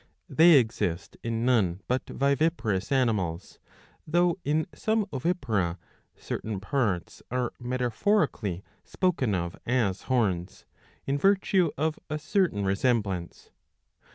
They exist in none but viviparous animals ; though in some ovipara certain parts are metaphorically spoken of as horns, in virtue of a certain resemblance.